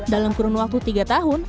dalam kurun waktu tiga tahun